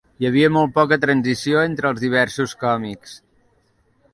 Hi havia molt poca transició entre els diversos còmics.